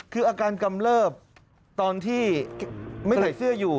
คืออาการกำเลิบตอนที่ไม่ใส่เสื้ออยู่